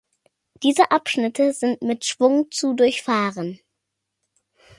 Diese Abschnitte sind mit Schwung zu durchfahren.